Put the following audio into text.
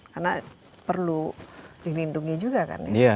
karena perlu dilindungi juga kan ya